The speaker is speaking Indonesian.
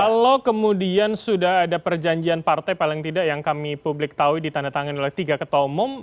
kalau kemudian sudah ada perjanjian partai paling tidak yang kami publik tahu ditandatangani oleh tiga ketua umum